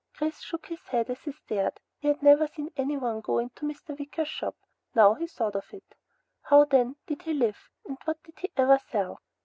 Chris shook his head as he stared. He had never seen anyone go into Mr. Wicker's shop, now he thought of it. How then, did he live, and what did he ever sell?